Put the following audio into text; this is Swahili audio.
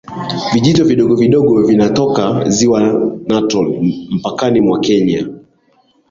Vijito vidogovidogo vinavyotoka Ziwa Natron mpakani mwa Kenya